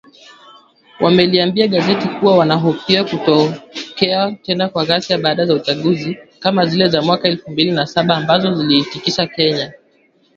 wameliambia gazeti kuwa wanahofia kutokea tena kwa ghasia za baada ya uchaguzi kama zile za mwaka elfu mbili na saba ambazo ziliitikisa Kenya